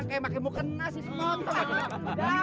gue masih gini gini juga